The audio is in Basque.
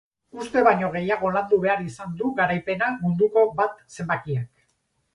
Uste baino gehiago landu behar izan du garaipena munduko bat zenbakiak.